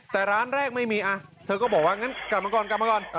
แต่ร้านแรกไม่มีอะเธอก็บอกว่างั้นกลับมาก่อน